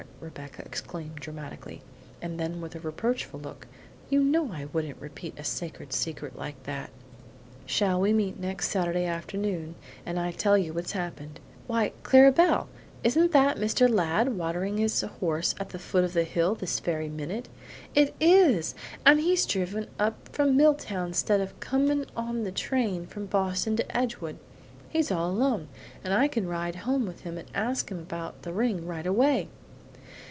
Rebecca exclaimed dramatically; and then with a reproachful look, "you know I couldn't repeat a sacred secret like that! Shall we meet next Saturday afternoon, and I tell you what's happened? Why, Clara Belle, isn't that Mr. Ladd watering his horse at the foot of the hill this very minute? It is; and he's driven up from Milltown stead of coming on the train from Boston to Edgewood. He's all alone, and I can ride home with him and ask him about the ring right away!"